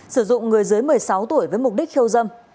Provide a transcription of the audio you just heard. sử dụng người dưới một mươi sáu tuổi với mục đích khiêu dâm